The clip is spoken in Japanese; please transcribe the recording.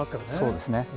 そうですね。